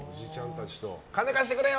金貸してくれよ！